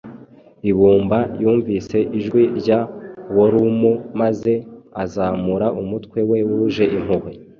Ibumba yumvise ijwi rya Worumu maze azamura umutwe we wuje impuhwe